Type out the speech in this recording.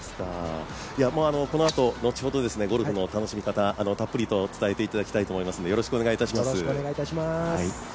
このあと後ほどゴルフの楽しみ方をたっぷりと伝えていただきたいと思いますのでよろしくお願いします。